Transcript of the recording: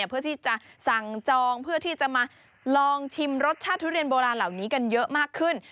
เพื่อที่จะสั่งจองเพื่อที่จะมาลองชิมรสชาติทุเรียนโบราณเหล่านี้กันเยอะมากขึ้น